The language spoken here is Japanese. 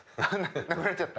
なくなっちゃった？